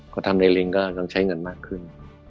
พอทำในลิงก็ต้องใช้เงินมากขึ้น